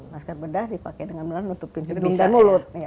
masker bedah dipakai dengan benar benar nutup pintu hidung dan mulut